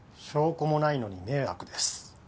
証拠もないのに迷惑です。